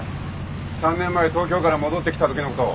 ３年前東京から戻ってきたときのこと。